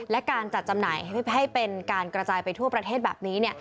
และการจัดจำหน่ายให้เป็นการกระจายไปทั่วประเทศแบบนี้